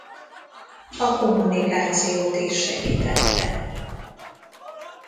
A kommunikációt is segítette.